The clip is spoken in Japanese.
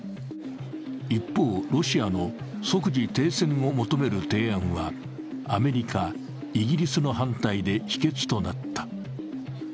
一方、ロシアの即時停戦を求める提案はアメリカ、イギリスの反対で否決となった。